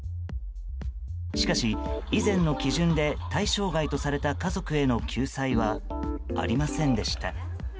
しかし、以前の基準で対象外とされた家族への救済はありませんでした。